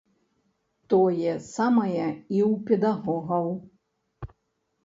Тое самае і ў педагогаў.